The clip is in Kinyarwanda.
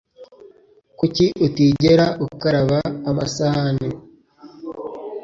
Kuki utigera ukaraba amasahani?